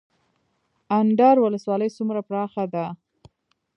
اندړ ولسوالۍ څومره پراخه ده؟